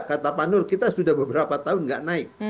kata pak nur kita sudah beberapa tahun tidak naik